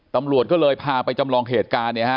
ตำรวจก็เลยพาไปจำลองเหตุการณ์เนี่ยฮะ